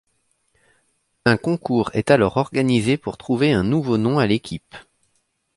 Un concours est alors organisé pour trouver un nouveau nom à l'équipe.